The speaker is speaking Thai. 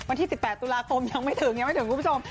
วันที่๑๘ตุลาคมยังไม่ถึงยังไม่ถึงคุณผู้ชม